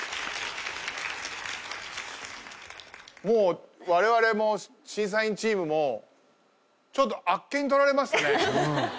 もうわれわれも審査員チームもちょっとあっけにとられましたね。